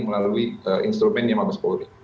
melalui instrumennya mabes polri